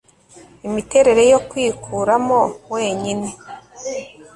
Imiterere yo kwikuramo wenyine